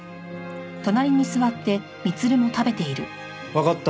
わかった。